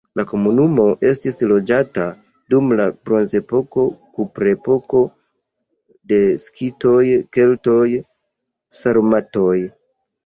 La komunumo estis loĝata dum la bronzepoko, kuprepoko, de skitoj, keltoj, sarmatoj.